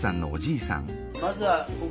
まずはここ。